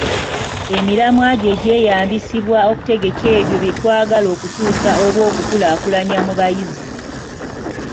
Emiramwa gye gyeyambisibwa okutegeka ebyo bye twagala okutuusa oba okukulaakulanya mu bayizi.